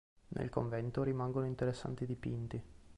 Nel convento rimangono interessanti dipinti.